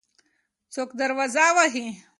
څوک دروازه وهي؟